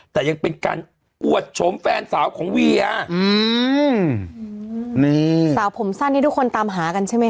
แต่ยังเป็นการอวดชมแฟนสาวของเวียอืมนี่สาวผมสั้นที่ทุกคนตามหากันใช่ไหมค